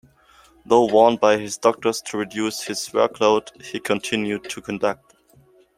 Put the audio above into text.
Though warned by his doctors to reduce his workload, he continued to conduct.